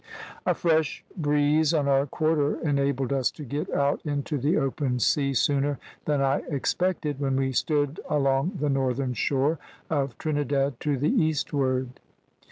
"A fresh breeze on our quarter enabled us to get out into the open sea sooner than I expected, when we stood along the northern shore of Trinidad to the eastward.